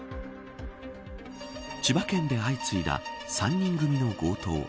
千葉県で相次いだ３人組の強盗。